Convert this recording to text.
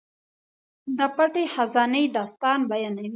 د پټې خزانې داستان بیانوي.